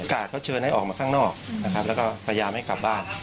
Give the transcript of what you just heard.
เขาเชิญให้ออกมาข้างนอกนะครับแล้วก็พยายามให้กลับบ้าน